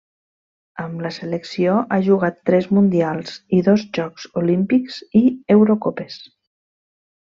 Amb la selecció ha jugat tres Mundials i dos Jocs Olímpics i Eurocopes.